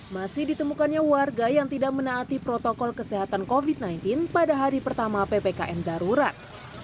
masih ditemukannya warga yang tidak menaati protokol kesehatan covid sembilan belas pada hari pertama ppkm darurat